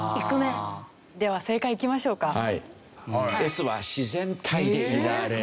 「Ｓ」は「自然体でいられる」。